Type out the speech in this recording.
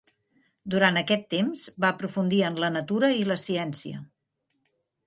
Durant aquest temps, va aprofundir en la natura i la ciència.